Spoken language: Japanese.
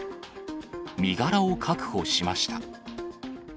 身柄を確保しました。